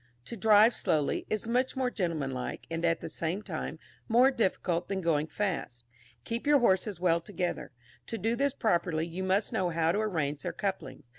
To drive slowly, is much more gentlemanlike, and, at the same time, more difficult than going fast. Keep your horses well together; to do this properly, you must know how to arrange their couplings.